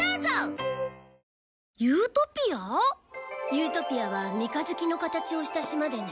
ユートピアは三日月の形をした島でね